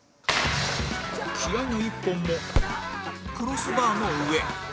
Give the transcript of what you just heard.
気合の一本もクロスバーの上